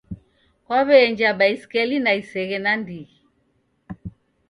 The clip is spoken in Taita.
Kwawe'enja baisikeli na iseghe nandighi